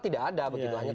tidak ada begitu